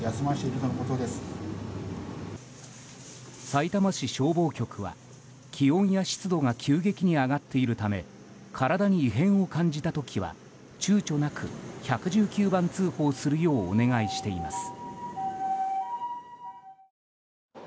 さいたま市消防局は気温や湿度が急激に上がっているため体に異変を感じたときはちゅうちょなく１１９番通報するようお願いしています。